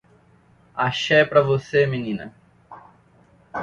Axé pra você menina.